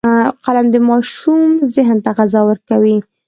قلم د ماشوم ذهن ته غذا ورکوي